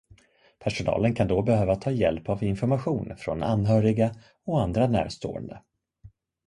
Personalen kan då behöva ta hjälp av information från anhöriga och andra närstående.